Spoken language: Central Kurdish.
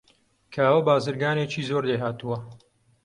کاوە بازرگانێکی زۆر لێهاتووە.